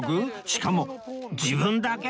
しかも自分だけ！？